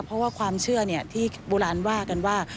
เพราะว่าความเชื่อที่โบราณว่ากันว่า